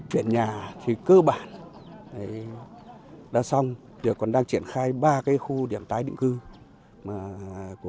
huyện nhà thì cơ bản đã xong còn đang triển khai ba khu điểm tái định cư